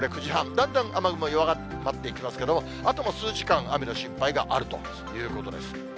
だんだん雨雲弱まっていきますけど、あともう数時間、雨の心配があるということです。